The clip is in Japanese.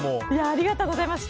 ありがとうございます。